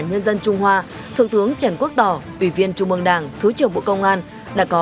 nhân dân trung hoa thượng tướng trần quốc tỏ ủy viên trung mương đảng thứ trưởng bộ công an đã có